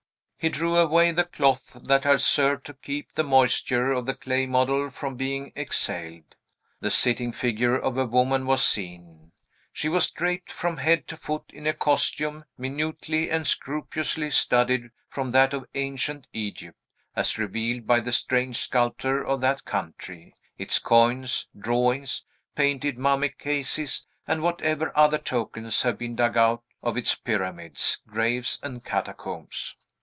He drew away the cloth that had served to keep the moisture of the clay model from being exhaled. The sitting figure of a woman was seen. She was draped from head to foot in a costume minutely and scrupulously studied from that of ancient Egypt, as revealed by the strange sculpture of that country, its coins, drawings, painted mummy cases, and whatever other tokens have been dug out of its pyramids, graves, and catacombs.